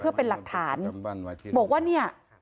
เพื่อเป็นหลักฐานบอกว่าเนี่ย